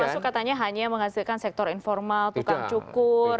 termasuk katanya hanya menghasilkan sektor informal tukang cukur